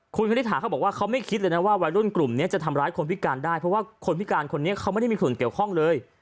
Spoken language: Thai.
คุณคณิตหาเขาบอกว่าเขาไม่คิดเลยนะว่าวัยรุ่นกลุ่มนี้จะทำร้ายคนพิการได้เพราะว่าคนพิการคนนี้เขาไม่ได้มีส่วนเกี่ยวข้องเลย